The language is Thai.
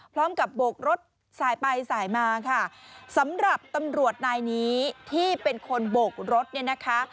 โบกรถสายไปสายมาค่ะสำหรับตำรวจนายนี้ที่เป็นคนโบกรถเนี่ยนะคะ